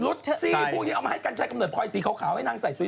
รุดซี่พรุ่งนี้เอามาให้กันใช้กำเนิดคอยสีขาวให้นั่งใส่สวย